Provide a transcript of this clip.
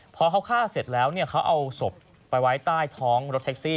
พอเขาฆ่าเสร็จแล้วเขาเอาศพไปไว้ใต้ท้องรถแท็กซี่